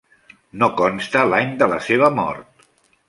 No consta l'any de la seva mort.